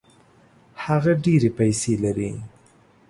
هغه ډېري پیسې لري.